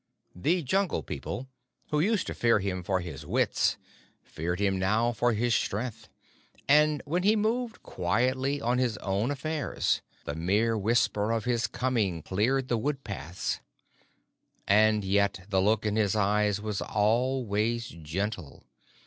The Jungle People who used to fear him for his wits feared him now for his strength, and when he moved quietly on his own affairs the mere whisper of his coming cleared the wood paths. And yet the look in his eyes was always gentle.